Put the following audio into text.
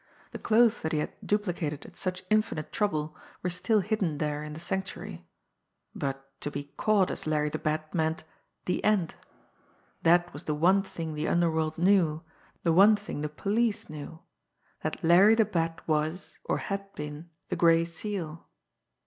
The clothes that he had duplicated at such infinite trouble were still hidden there in the Sanctuary. But to be caught as Larry the Bat meant the end. That was the one thing the underworld knew, the one thing the police knew that Larry the Bat was, or had been, the Gray Seal.